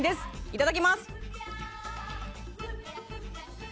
いただきます。